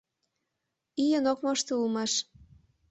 — Ийын ок мошто улмаш.